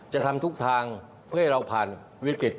จะทำทุกทางเพื่อให้เราผ่านวิกฤต